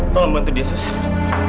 tolong bantu dia suster